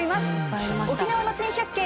沖縄の珍百景